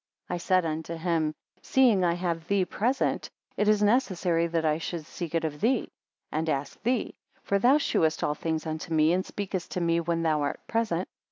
41 I said unto him; seeing I have thee present, it is necessary that I should seek it of thee, and ask thee; for thou shewest all things unto me, and speakest to me when thou art present.